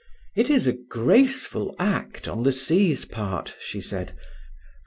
"It is a graceful act on the sea's part," she said.